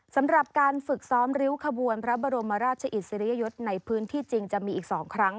สำหรับการฝึกซ้อมริ้วขบวนพระบรมราชอิสริยยศในพื้นที่จริงจะมีอีก๒ครั้ง